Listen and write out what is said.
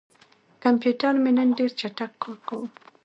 کمپیوټر مې نن ډېر چټک کار کاوه.